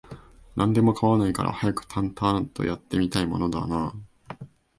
何でも構わないから、早くタンタアーンと、やって見たいもんだなあ